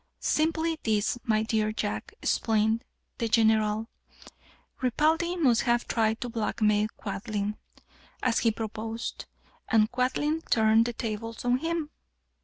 "Simply this, my dear Jack," explained the General: "Ripaldi must have tried to blackmail Quadling, as he proposed, and Quadling turned the tables on him.